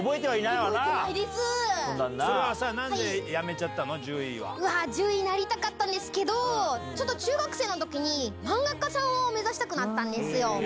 それはさあ、なんでやめちゃ獣医、なりたかったんですけど、ちょっと中学生のときに、漫画家さんを目指したくなったんですよ。